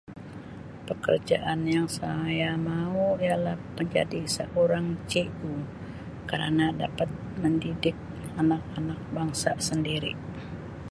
Pekerjaan yang saya mau ialah menjadi seorang cikgu kerana dapat mendidik anak-anak bangsa sendiri.